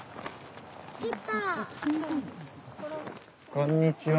こんにちは！